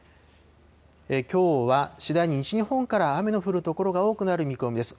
きょうは、次第に西日本から雨の降る所が多くなる見込みです。